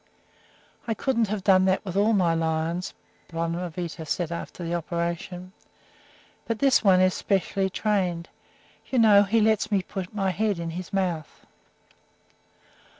"I couldn't have done that with all my lions," Bonavita said to me after the operation; "but this one is specially trained. You know he lets me put my head in his mouth."